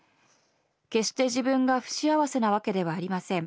決して自分が不幸せな訳ではありません。